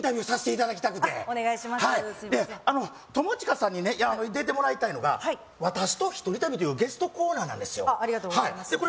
あの友近さんにね出てもらいたいのが「私とひとり旅」というゲストコーナーなんですよありがとうございます